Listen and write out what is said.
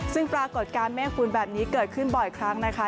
ซึ่งปรากฏการณ์เมฆฝนแบบนี้เกิดขึ้นบ่อยครั้งนะคะ